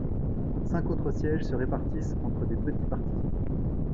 Cinq autres sièges se répartissant entre des petits partis.